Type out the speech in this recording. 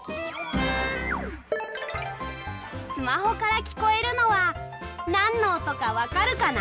スマホからきこえるのはなんのおとかわかるかな？